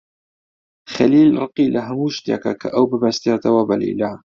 خەلیل ڕقی لە هەموو شتێکە کە ئەو ببەستێتەوە بە لەیلا.